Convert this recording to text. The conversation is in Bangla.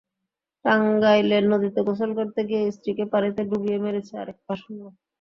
টাঙ্গাইলে নদীতে গোসল করতে গিয়ে স্ত্রীকে পানিতে ডুবিয়ে মেরেছে আরেক পাষণ্ড।